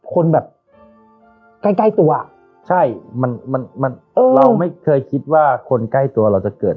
คนแบบใกล้ใกล้ตัวใช่มันมันเราไม่เคยคิดว่าคนใกล้ตัวเราจะเกิด